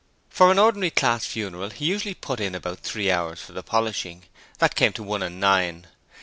For an ordinary class funeral he usually put in about three hours for the polishing; that came to one and nine.